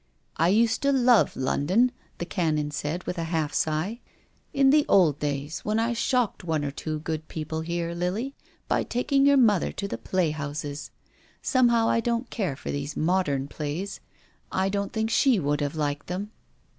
" I used to love London," the Canon said, with a half sigh. " In the old days, when I shocked one or two good people here, Lily, by taking your mother to the playhouses. Somehow I don't care for these modern plays. I don't think she would have liked them."